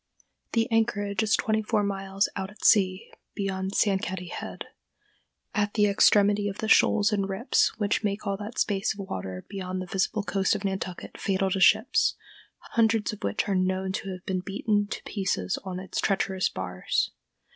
The anchorage is twenty four miles out at sea beyond Sankaty head, at the extremity of the shoals and rips which make all that space of water beyond the visible coast of Nantucket fatal to ships, hundreds of which are known to have been beaten to pieces on its treacherous bars.